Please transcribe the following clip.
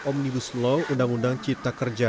omnibus law undang undang cipta kerja